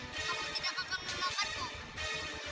kau tidak akan menggunakanmu